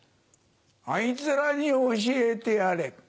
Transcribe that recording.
あいつらに教えてやれ。